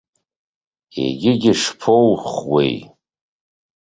Егьигьы ишԥоуухуеи.